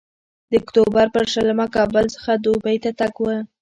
د اکتوبر پر شلمه کابل څخه دوبۍ ته تګ و.